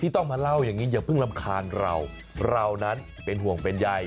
ต้องมาเล่าอย่างนี้อย่าเพิ่งรำคาญเราเรานั้นเป็นห่วงเป็นใย